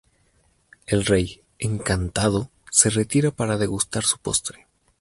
El rey, encantado, se retira para degustar su postre.